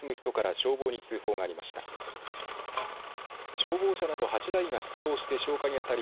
消防車など８台が出動して消火に当たり